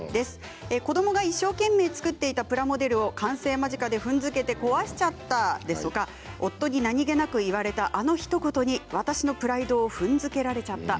子どもが一生懸命作っていたプラモデルを完成間近で踏んづけて壊しちゃったですとか夫に何気なく言われたあのひと言に私のプライドを踏んづけられちゃった。